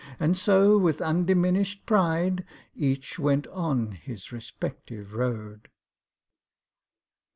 And so, with undiminished pride, Each went on his respective road.